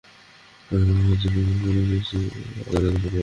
Bowling coach হিসেবে জিম্বাবুয়ের সাবেক অধিনায়ক হিথ স্ট্রিককে আনারই সম্ভাবনা বেশি।